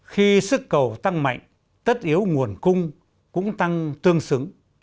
khi sức cầu tăng mạnh tất yếu nguồn cung cũng tăng tương xứng